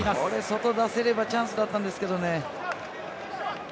外出せればチャンスだったんですけどね。